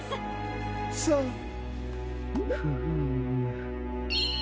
フーム。